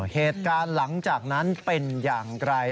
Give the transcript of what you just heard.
เหตุการณ์หลังจากนั้นเป็นอย่างไร